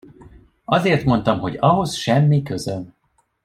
Azért mondtam, hogy ahhoz semmi közöm.